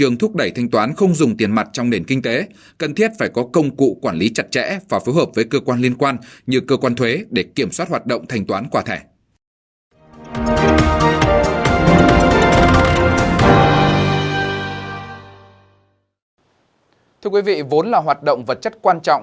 như cầu về vốn nổi lên như một vấn đề cấp bán